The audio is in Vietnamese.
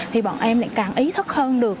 thì bọn em lại càng ý thức hơn được